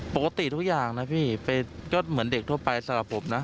ปกติทุกอย่างนะพี่ก็เหมือนเด็กทั่วไปสำหรับผมนะ